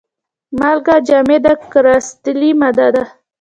مالګه جامده کرستلي ماده ده.